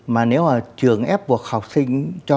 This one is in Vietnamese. mà nếu trường ép buộc học sinh